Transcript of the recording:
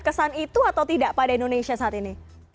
kesan itu atau tidak pada indonesia saat ini